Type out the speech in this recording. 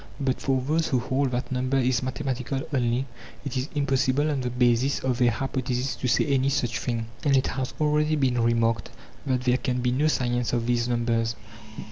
But for those who hold that number is mathematical only, it is impossible on the basis of their hypothesis to say any such thing; and it has already been remarked that there can be no science of these numbers.